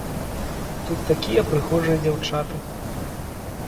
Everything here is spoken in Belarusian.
Тут такія прыгожыя дзяўчаты.